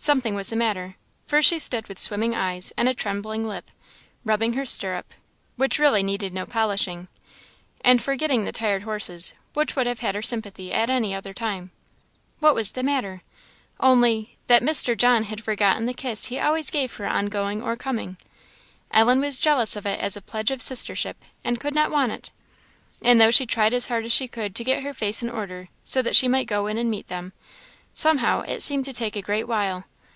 Something was the matter; for she stood with swimming eyes and a trembling lip, rubbing her stirrup, which really needed no polishing, and forgetting the tired horses, which would have had her sympathy at any other time. What was the matter? Only that Mr. John had forgotten the kiss he always gave her on going or coming. Ellen was jealous of it as a pledge of sistership, and could not want it; and though she tried as hard as she could to get her face in order, so that she might go in and meet them, somehow it seemed to take a great while.